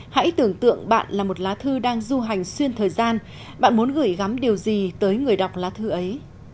hãy tưởng tượng bạn là một lá thư đang du hành xuyên thời gian bạn muốn gửi gắm điều gì tới người đọc lá thư ấy